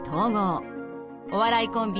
お笑いコンビ